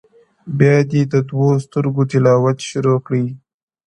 بيا دې د دوو سترگو تلاوت شروع کړ!